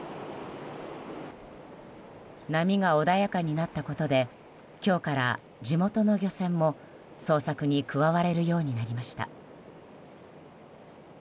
波が穏やかになったことで今日から地元の漁船も捜索に加われるようになりました。